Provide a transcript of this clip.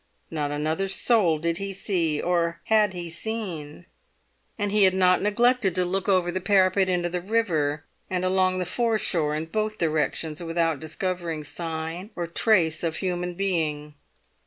Not another soul did he see, or had he seen. And he had not neglected to look over the parapet into the river, and along the foreshore in both directions, without discovering sign or trace of human being.